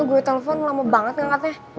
gue telepon lama banget gak katanya